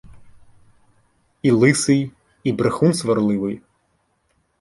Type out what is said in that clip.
І лисий, і брехун сварливий?